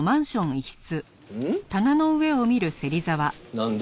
なんだ？